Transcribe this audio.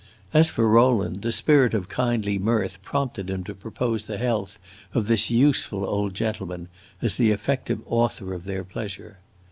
As for Rowland, the spirit of kindly mirth prompted him to propose the health of this useful old gentleman, as the effective author of their pleasure.